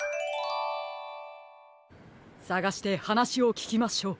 さがしてはなしをききましょう。